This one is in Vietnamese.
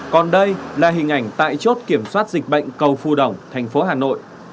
còn đây là hình ảnh tại chốt kiểm soát dịch bệnh cầu phù đồng thành phố hà nội